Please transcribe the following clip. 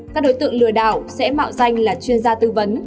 các đối tượng lừa đảo sẽ mạo danh là chuyên gia tư vấn